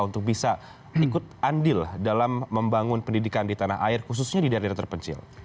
untuk bisa ikut andil dalam membangun pendidikan di tanah air khususnya di daerah daerah terpencil